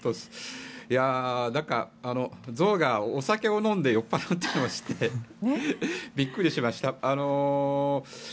なんか、象がお酒を飲んで酔っ払うっていうのを知ってびっくりしました。